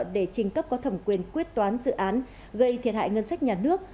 để trình cấp có thẩm quyền quyết toán dự án gây thiệt hại ngân sách nhà nước